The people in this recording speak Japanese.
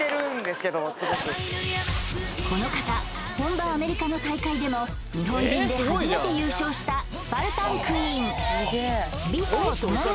すごくこの方本場アメリカの大会でも日本人で初めて優勝したスパルタンクイーン